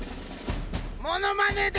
モノマネで！